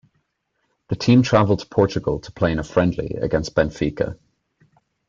The team travelled to Portugal to play in a friendly against Benfica.